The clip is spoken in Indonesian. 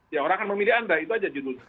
ya orang akan memilih anda itu aja judulnya